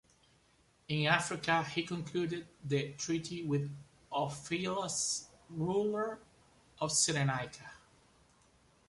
In Africa he concluded the treaty with Ophellas, ruler of Cyrenaica.